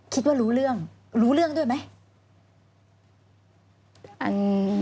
คิดว่ารู้เรื่องรู้เรื่องด้วยไหม